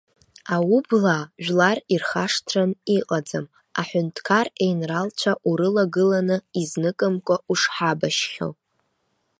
Аублаа жәлар ирхашҭран иҟаӡам аҳәынҭқар еинралцәа урылагыланы изныкымкәа ушҳабашьхьоу.